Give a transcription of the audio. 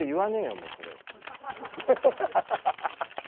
もうそれ」って。